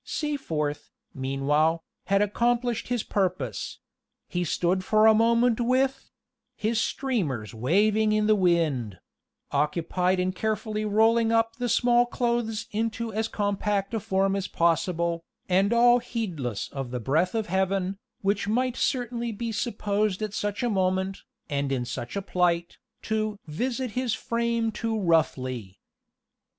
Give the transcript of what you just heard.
Seaforth, meanwhile, had accomplished his purpose: he stood for a moment with His streamers waving in the wind, occupied in carefully rolling up the small clothes into as compact a form as possible, and all heedless of the breath of heaven, which might certainly be supposed at such a moment, and in such a plight, to "visit his frame too roughly."